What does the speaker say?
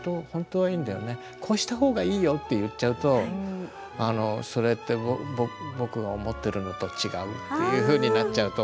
「こうした方がいいよ」って言っちゃうとそれって僕が思ってるのと違うっていうふうになっちゃうと思うよ。